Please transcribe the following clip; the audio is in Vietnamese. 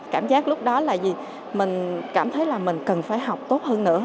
cảm giác lúc đó là gì mình cảm thấy là mình cần phải học tốt hơn nữa